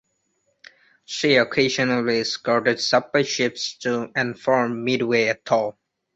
She occasionally escorted supply ships to and from Midway Atoll.